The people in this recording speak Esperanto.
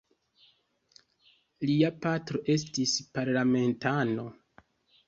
Lia patro estis parlamentano.